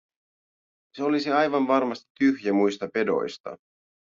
Se olisi aivan varmasti tyhjä muista pedoista.